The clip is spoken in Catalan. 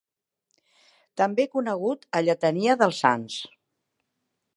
També conegut a lletania dels sants.